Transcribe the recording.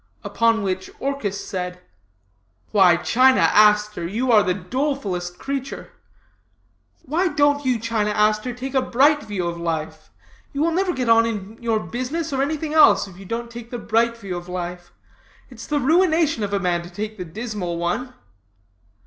Upon which Orchis said: 'Why, China Aster, you are the dolefulest creature. Why don't you, China Aster, take a bright view of life? You will never get on in your business or anything else, if you don't take the bright view of life. It's the ruination of a man to take the dismal one.'